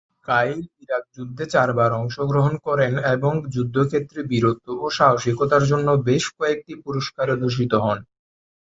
কাইল Iraq যুদ্ধে চারবার অংশগ্রহণ করেন এবং যুদ্ধক্ষেত্রে বীরত্ব ও সাহসিকতার জন্য বেশ কয়েকটি পুরস্কারে ভূষিত হন।